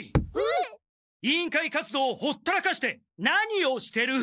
委員会活動をほったらかして何をしてる！？